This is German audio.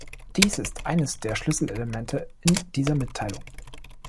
Dies ist eines der Schlüsselelemente in dieser Mitteilung.